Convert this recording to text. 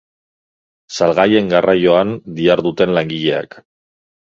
Salgaien garraioan diharduten langileak.